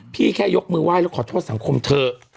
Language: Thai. แค่ยกมือไห้แล้วขอโทษสังคมเถอะ